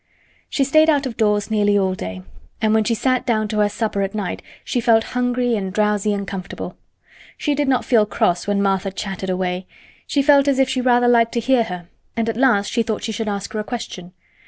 She stayed out of doors nearly all day, and when she sat down to her supper at night she felt hungry and drowsy and comfortable. She did not feel cross when Martha chattered away. She felt as if she rather liked to hear her, and at last she thought she would ask her a question.